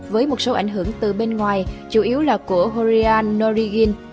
với một số ảnh hưởng từ bên ngoài chủ yếu là của horian norigin